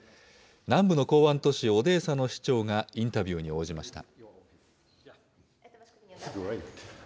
南部の港湾都市オデーサの市長がインタビューに応じました。